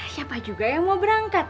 siapa juga yang mau berangkat